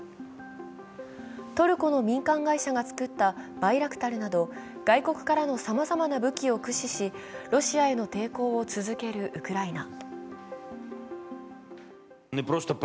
トルコの民間会社が作ったバイラクタルなど、外国からのさまざまな武器を駆使し、ロシアへの抵抗を続けるウクライナ。